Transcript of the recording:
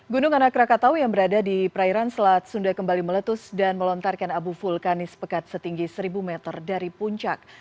gunung anak rakatau yang berada di perairan selat sunda kembali meletus dan melontarkan abu vulkanis pekat setinggi seribu meter dari puncak